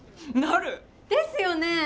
なる！ですよね！